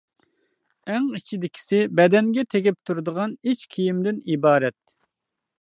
ئەڭ ئىچىدىكىسى بەدەنگە تېگىپ تۇرىدىغان ئىچ كىيىمدىن ئىبارەت.